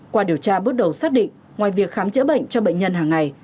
qua điều tra bước đầu xác định ngoài việc khám chữa bệnh cho bệnh nhân hàng ngày